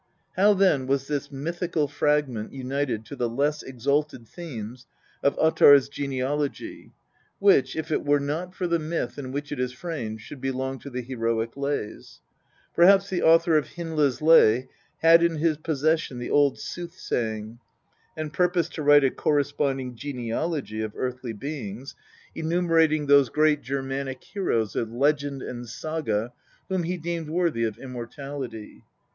How then was this mythical fragment united to the less exalted theme of Ottar's genealogy, which, if it were not for the myth in which it is framed, should belong to the heroic lays ? Perhaps the author of Hyndla's Lay had in his possession the old " Soothsaying," and purposed to write a corresponding genealogy of earthly beings, enume LVI THE POETIC EDDA. rating those great Germanic heroes of legend and saga whom he deemed worthy of immortality.